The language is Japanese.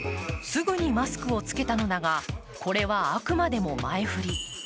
すぐにマスクをつけたのだが、これはあくまでも前振り。